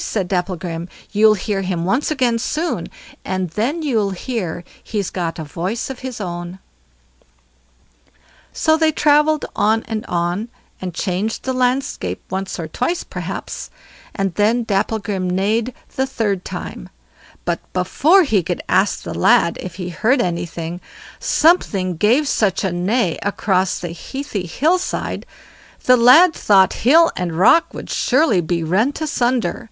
said Dapplegrim, "you'll hear him once again soon, and then you'll hear he's got a voice of his own." So they travelled on and on, and changed the landscape once or twice, perhaps, and then Dapplegrim neighed the third time; but before he could ask the lad if he heard anything, something gave such a neigh across the heathy hill side, the lad thought hill and rock would surely be rent asunder.